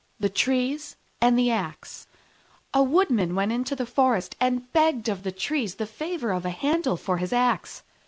THE TREES AND THE AXE A Woodman went into the forest and begged of the Trees the favour of a handle for his Axe.